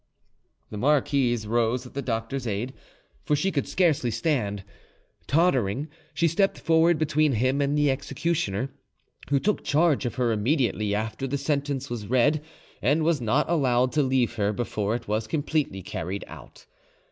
The marquise rose with the doctor's aid, for she could scarcely stand; tottering, she stepped forward between him and the executioner, who took charge of her immediately after the sentence was read, and was not allowed to leave her before it was completely carried out.